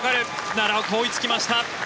奈良岡、追いつきました。